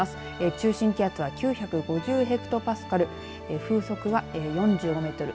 中心気圧は９５０ヘクトパスカル風速は４５メートル